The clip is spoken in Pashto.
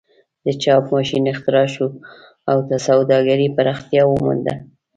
د چاپ ماشین اختراع شو او سوداګري پراختیا ومونده.